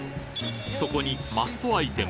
そこにマストアイテム